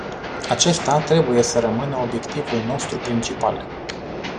Acesta trebuie să rămână obiectivul nostru principal.